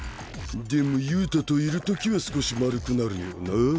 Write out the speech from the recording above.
でも憂太といるときは少し丸くなるよな。